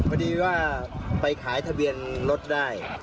พอดีว่าไปขายทะเบียนรถได้